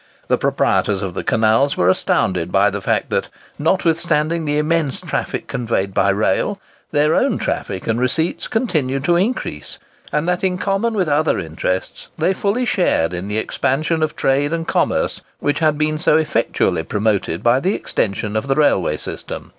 The proprietors of the canals were astounded by the fact that, notwithstanding the immense traffic conveyed by rail, their own traffic and receipts continued to increase; and that, in common with other interests, they fully shared in the expansion of trade and commerce which had been so effectually promoted by the extension of the railway system.